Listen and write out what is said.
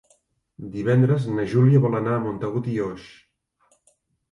Divendres na Júlia vol anar a Montagut i Oix.